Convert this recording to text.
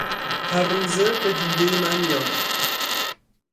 هر روزه بدیده من می آمد